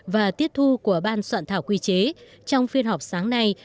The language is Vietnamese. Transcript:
và tiết thu của ban soạn thảo quy chế trong phiên họp sáng nay